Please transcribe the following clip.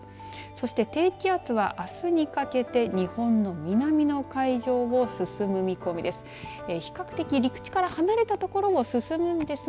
そして、低気圧は、あすにかけて日本の南の海上を進む見込みです。